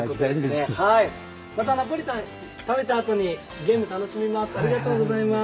またナポリタン、食べたあとにゲーム楽しみまーす。